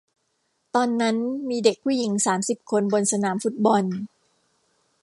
ตอนนั้นมีเด็กผู้หญิงสามสิบคนบนสนามฟุตบอล